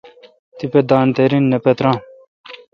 تیپہ دان تے رن نہ پتران۔